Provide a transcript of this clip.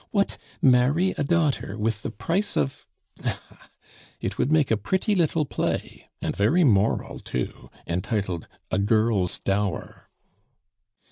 Heh! What, marry a daughter with the price of Ah, ha! It would make a pretty little play, and very moral too, entitled 'A Girl's Dower.